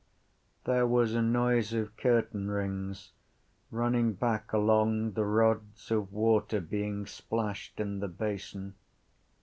There was a noise of curtainrings running back along the rods, of water being splashed in the basins.